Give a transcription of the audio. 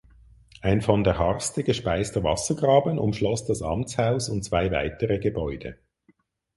Ein von der Harste gespeister Wassergraben umschloss das Amtshaus und zwei weitere Gebäude.